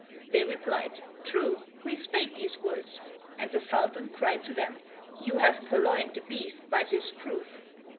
They replied, "True, we spake these words;" and the Sultan cried to them, "Ye have purloined the beast, by this proof."